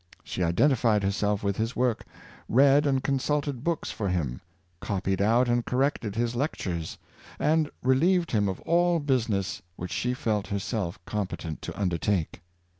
She identi fied herself with his work, read and consulted books for him, copied out and corrected his lectures, and re lieved him of all business which she felt herself compe tent to undertake.